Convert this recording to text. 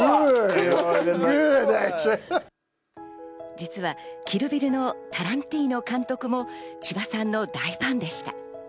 実は『キル・ビル』のタランティーノ監督も千葉さんの大ファンでした。